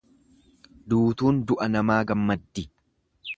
Duutuun du'a namaa gammaddi.